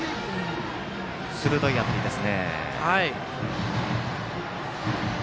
鋭い当たりですね。